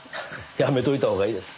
やめといたほうがいいです。